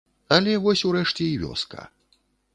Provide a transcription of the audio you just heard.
Але вось урэшце і вёска.